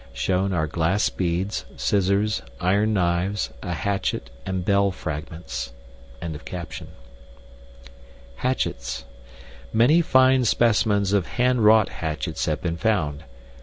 SHOWN ARE GLASS BEADS, SCISSORS, IRON KNIVES, A HATCHET, AND BELL FRAGMENTS.] Hatchets. Many fine specimens of handwrought hatchets have been found.